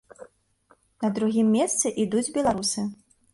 На другім месцы ідуць беларусы.